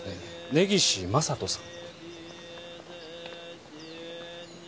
根岸正人さん。